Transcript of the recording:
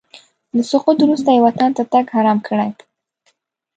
له سقوط وروسته یې وطن ته تګ حرام کړی.